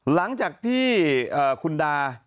หลังจากที่คุณดา